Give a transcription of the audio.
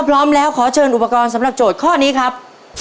พร้อมแล้วขอเชิญอุปกรณ์สำหรับโจทย์ข้อนี้ครับ